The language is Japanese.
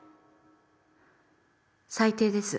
最低です。